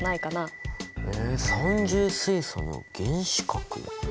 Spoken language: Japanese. えっ三重水素の原子核。